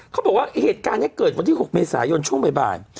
เขาบอกว่าเหตุการณ์นี้เกิดวันที่๖เมษายนช่วงบ่าย